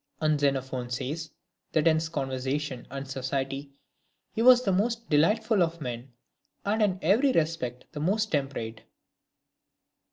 And Xenophon says, that in his conver sation and society, he was the most delightful of men, and in every respect the most temperate.